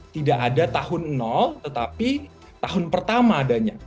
tidak ada tahun nol tetapi tahun pertama adanya